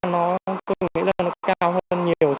nó tôi nghĩ là nó cao hơn nhiều